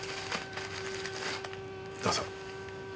どうぞ。